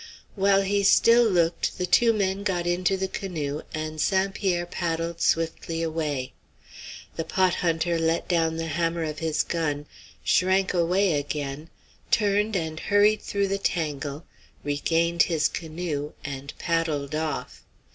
While he still looked the two men got into the canoe and St. Pierre paddled swiftly away. The pot hunter let down the hammer of his gun, shrank away again, turned and hurried through the tangle, regained his canoe, and paddled off.